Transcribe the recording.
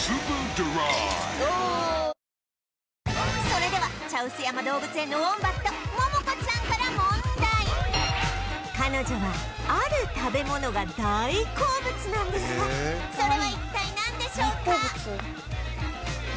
それでは茶臼山動物園のウォンバットモモコちゃんから彼女はある食べ物が大好物なんですがそれは一体なんでしょうか？